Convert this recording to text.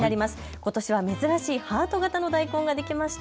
ことしは珍しいハート形の大根ができました。